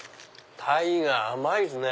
タイが甘いっすね。